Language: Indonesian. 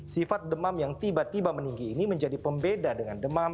sifat demam yang tiba tiba meninggi ini menjadi pembeda dengan demam